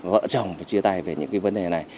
vợ chồng phải chia tay về những vấn đề này